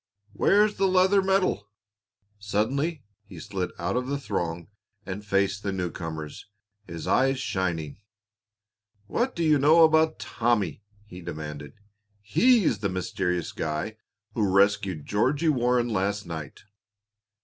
"Where's the leather medal?" Suddenly he slid out of the throng and faced the new comers, his eyes shining. "What do you know about Tommy?" he demanded. "He's the mysterious guy who rescued Georgie Warren last night.